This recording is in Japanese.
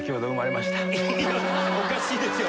おかしいですよ